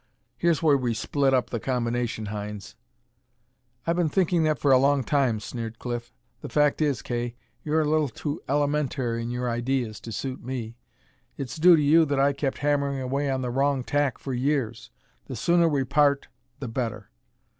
Here's where we split up the combination, Hynes!" "I've been thinking that for a long time," sneered Cliff. "The fact is, Kay, you're a little too elementary in your ideas to suit me. It's due to you that I kept hammering away on the wrong tack for years. The sooner we part, the better."